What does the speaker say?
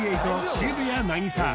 渋谷凪咲